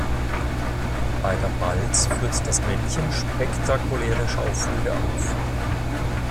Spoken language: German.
Bei der Balz führt das Männchen spektakuläre Schauflüge auf.